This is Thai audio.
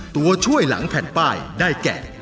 ตัวช่วยหลังแผ่นป้ายได้แก่